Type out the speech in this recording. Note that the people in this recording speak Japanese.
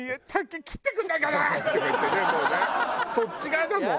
そっち側だもん。